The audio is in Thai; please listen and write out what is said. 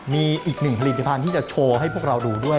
มีอีกหนึ่งผลิตภัณฑ์ที่จะโชว์ให้พวกเราดูด้วย